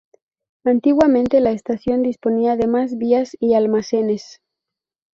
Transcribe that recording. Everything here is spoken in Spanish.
Antiguamente la estación disponía de más vías y almacenes.